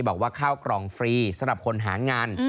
บอกว่าข้าวกล่องฟรีสำหรับคนหางาน